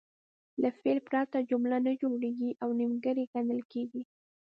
له فعل پرته جمله نه جوړیږي او نیمګړې ګڼل کیږي.